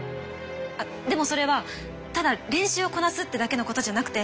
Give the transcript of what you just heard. あっでもそれはただ練習をこなすってだけのことじゃなくて。